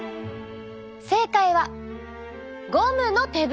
正解はゴムの手袋。